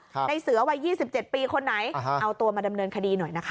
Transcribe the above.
ในเสือวัย๒๗ปีคนไหนเอาตัวมาดำเนินคดีหน่อยนะคะ